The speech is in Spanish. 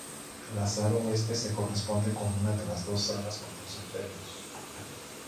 La sala oeste se corresponde con una de las dos salas de los enfermos.